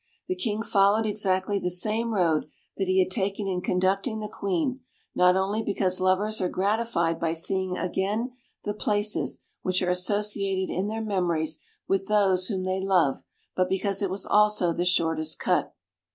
The King followed exactly the same road that he had taken in conducting the Queen, not only because lovers are gratified by seeing again the places which are associated in their memories with those whom they love, but because it was also the shortest cut.